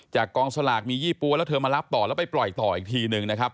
กองสลากมียี่ปั๊วแล้วเธอมารับต่อแล้วไปปล่อยต่ออีกทีหนึ่งนะครับ